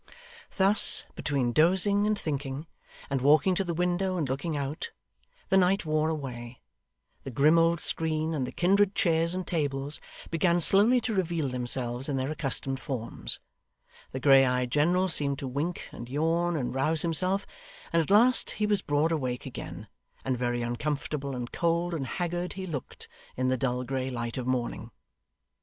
Thus, between dozing, and thinking, and walking to the window and looking out, the night wore away; the grim old screen, and the kindred chairs and tables, began slowly to reveal themselves in their accustomed forms; the grey eyed general seemed to wink and yawn and rouse himself; and at last he was broad awake again, and very uncomfortable and cold and haggard he looked, in the dull grey light of morning.